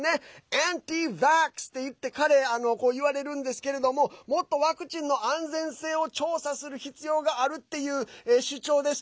ａｎｔｉ−ｖａｘっていって彼いわれるんですけどもっとワクチンの安全性を調査する必要があるっていう主張なんです。